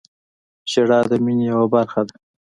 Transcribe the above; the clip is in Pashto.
• ژړا د مینې یوه برخه ده.